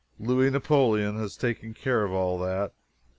Louis Napoleon has taken care of all that.